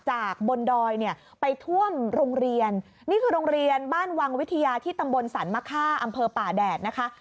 บนดอยเนี่ยไปท่วมโรงเรียนนี่คือโรงเรียนบ้านวังวิทยาที่ตำบลสรรมะค่าอำเภอป่าแดดนะคะ